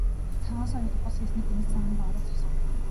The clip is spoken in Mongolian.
Цагаан соёот ухасхийснээ гэнэт санан доороо зогсов.